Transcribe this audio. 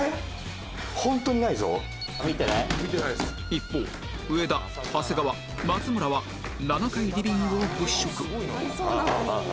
一方上田長谷川松村は７階リビングを物色